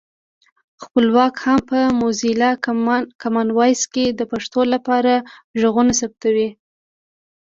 خپلواک هم په موزیلا کامن وایس کې د پښتو لپاره غږونه ثبتوي